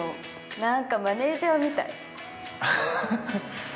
なんかマネージャーみたい。